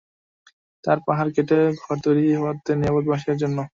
তারা পাহাড় কেটে ঘর তৈরি করত নিরাপদ বাসের জন্যে।